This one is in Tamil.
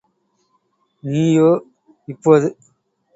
நீயோ இப்போது பத்திராபதியின்மேலே அமர்ந்திருக்கிறாய்.